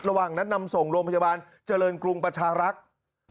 ระหว่างนั้นนำส่งโรงพยาบาลเจริญกรุงประชารักษ์